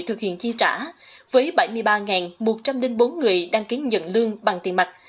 thực hiện chi trả với bảy mươi ba một trăm linh bốn người đăng ký nhận lương bằng tiền mặt